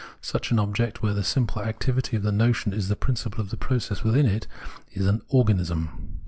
Such an object, where the simple activity of the notion is the principle of the process within it, is an Organism.